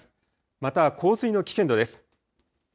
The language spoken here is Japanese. また洪水の危険度です。